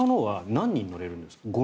５人乗れるんですか。